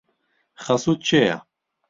خەسووت کێیە؟